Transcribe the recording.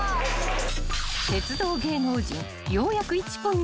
［鉄道芸能人ようやく］